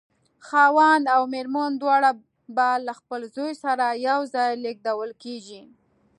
خاوند او مېرمن دواړه به له خپل زوی سره یو ځای لېږدول کېږي.